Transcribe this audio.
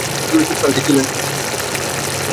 আপনারা জুরাসিক পার্কে ছিলেন।